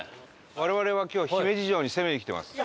我々は今日姫路城に攻めに来てます。